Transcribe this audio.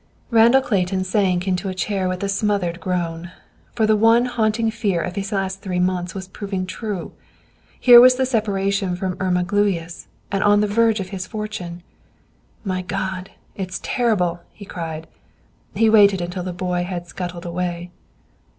Randall Clayton sank into a chair with a smothered groan. For the one haunting fear of his last three months was proving true. Here was the separation from Irma Gluyas, and on the verge of his fortune. "My God! It is terrible," he cried. He waited until the boy had scuttled away.